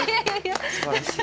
すばらしい。